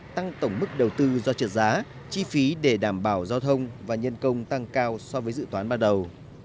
tăng tổng mức đầu tư do trượt giá chi phí để đảm bảo giao thông và nhân công tăng cao so với dự toán ban đầu